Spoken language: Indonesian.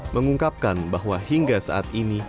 mengungkapkan bahwa hingga saat ini